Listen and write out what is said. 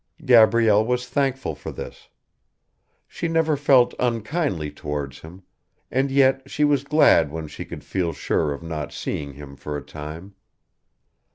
Gabrielle was thankful for this. She never felt unkindly towards him, and yet she was glad when she could feel sure of not seeing him for a time.